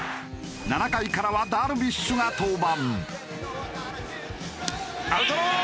７回からはダルビッシュが登板。